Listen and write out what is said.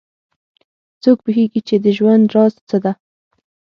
څوک پوهیږي چې د ژوند راز څه ده